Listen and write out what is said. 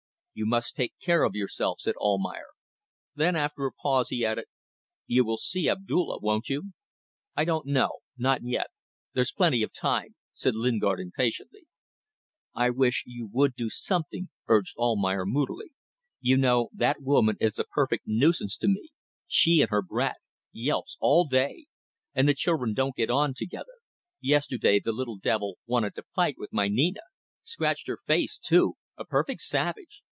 "You must take care of yourself," said Almayer. Then after a pause he added: "You will see Abdulla. Won't you?" "I don't know. Not yet. There's plenty of time," said Lingard, impatiently. "I wish you would do something," urged Almayer, moodily. "You know, that woman is a perfect nuisance to me. She and her brat! Yelps all day. And the children don't get on together. Yesterday the little devil wanted to fight with my Nina. Scratched her face, too. A perfect savage!